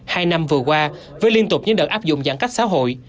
hai năm vừa qua với liên tục những đợt áp dụng giãn cách xã hội